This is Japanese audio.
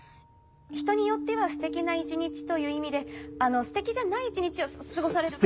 ひとによっては素敵な一日という意味で素敵じゃない一日を過ごされる。